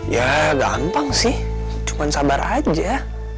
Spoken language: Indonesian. ya gampang sih cuma sabar aja